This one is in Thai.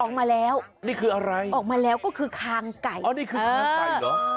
ออกมาแล้วนี่คืออะไรออกมาแล้วก็คือคางไก่อ๋อนี่คือคางไก่เหรอ